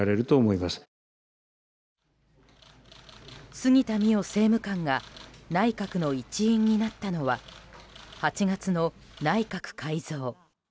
杉田水脈政務官が内閣の一員になったのは８月の内閣改造。